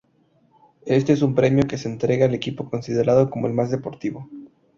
Este es un premio que se entrega al equipo considerado como el "más deportivo".